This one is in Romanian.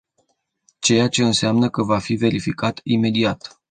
Ceea ce înseamnă că va fi verificat imediat.